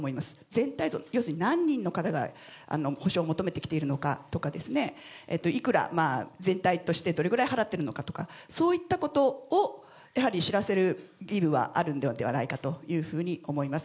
全体像、要するに何人の方が補償を求めてきているのかとかですね、いくら、全体としてどれぐらい払っているのかとか、そういったことをやはり知らせる義務はあるんではないかというふうに思います。